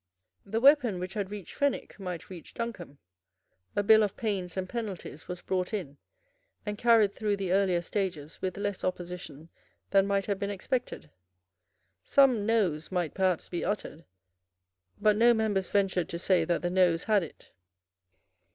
The weapon which had reached Fenwick might reach Duncombe. A bill of pains and penalties was brought in, and carried through the earlier stages with less opposition than might have been expected. Some Noes might perhaps be uttered; but no members ventured to say that the Noes had it.